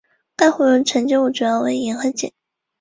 淡水也另有一座同样祭祀助顺将军的晋德宫。